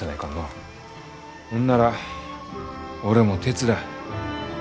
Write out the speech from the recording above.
ほんなら俺も手伝う。